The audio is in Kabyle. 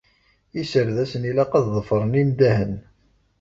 Iserdasen ilaq ad ḍefren indahen.